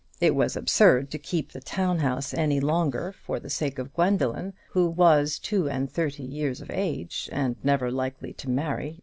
It was absurd to keep the town house any longer for the sake of Gwendoline, who was two and thirty years of age, and never likely to marry.